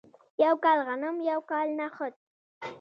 یو کال غنم یو کال نخود.